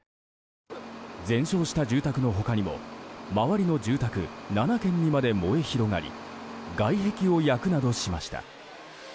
全焼した住宅の他にも周りの住宅７軒にまで燃え広がり外壁を焼くなどしました。